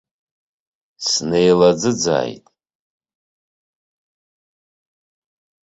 Снеилаӡыӡааит.